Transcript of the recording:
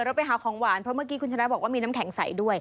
เราไปหาของหวานเพราะเมื่อกี้คุณชนะบอกว่ามีน้ำแข็งใสด้วย